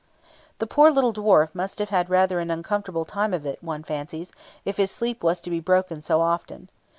The poor little dwarf must have had rather an uncomfortable time of it, one fancies, if his sleep was to be broken so often.